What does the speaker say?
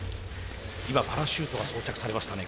今パラシュートが装着されましたね。